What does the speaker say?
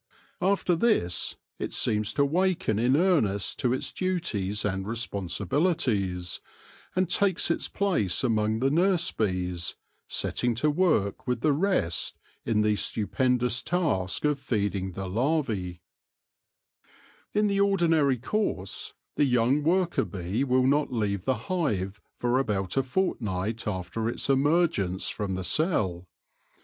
After this it seems to waken in earnest to its duties and responsibilities, and takes its place among the nurse bees, setting to work with the rest in the stupendous task of feeding the larvae. THE SOVEREIGN WORKER BEE 97 In the ordinary course, the young worker bee will not leave the hive for about a fortnight after its emergence from the cell.